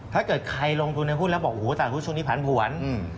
ถ้าเกิดใครลงทุนในหุ้นแล้วบอกต่างช่วงนี้ผลันปวน